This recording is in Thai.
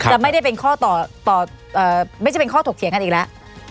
จะไม่ได้เป็นข้อต่อไม่ใช่เป็นข้อถกเถียงกันอีกแล้ว